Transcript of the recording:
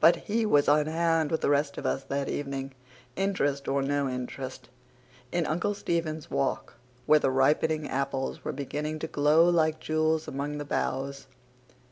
But he was on hand with the rest of us that evening, interest or no interest, in Uncle Stephen's Walk, where the ripening apples were beginning to glow like jewels among the boughs.